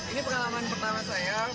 ini pengalaman pertama saya